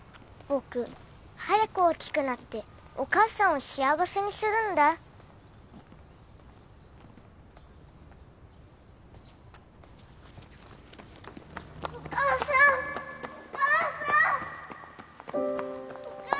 僕早く大きくなってお母さんを幸せにするから